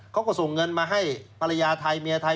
เขาก็ส่งเงินมาให้ภรรยาไทยเมียไทย